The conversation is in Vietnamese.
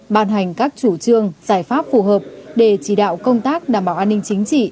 ban hành các chủ trương giải pháp phù hợp để chỉ đạo công tác đảm bảo an ninh chính trị